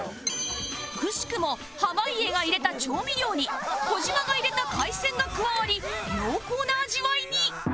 くしくも濱家が入れた調味料に児嶋が入れた海鮮が加わり濃厚な味わいに